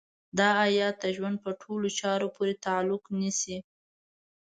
دا ايت د ژوند په ټولو چارو پورې تعلق نيسي.